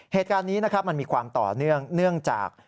เหตุการณ์นี้นะครับมันมีความต่อเนื่องเนื่องจาก